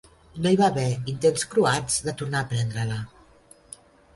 No hi va haver intents croats de tornar a prendre-la.